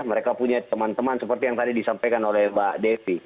mereka punya teman teman seperti yang tadi disampaikan oleh mbak devi